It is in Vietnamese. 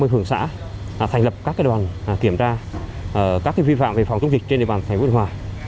một mươi phường xã thành lập các đoàn kiểm tra các vi phạm về phòng chống dịch trên địa bàn thành phố biên hòa